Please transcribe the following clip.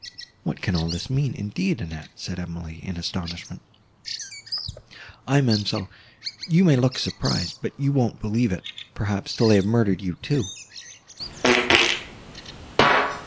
"What can all this mean, indeed, Annette?" said Emily, in astonishment. "Aye, ma'amselle, you may look surprised; but you won't believe it, perhaps, till they have murdered you, too.